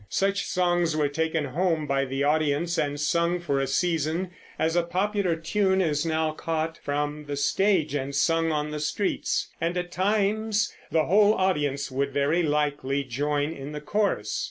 Such songs were taken home by the audience and sung for a season, as a popular tune is now caught from the stage and sung on the streets; and at times the whole audience would very likely join in the chorus.